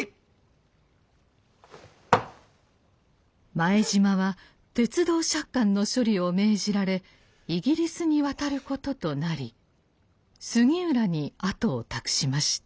前島は鐵道借款の処理を命じられイギリスに渡ることとなり杉浦に後を託しました。